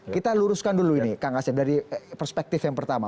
kita luruskan dulu ini kang asep dari perspektif yang pertama